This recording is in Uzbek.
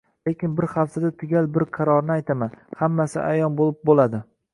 Lekin bir haftada tugal bir qarorni aytaman, hammasi ayon boʻlib boʻladi.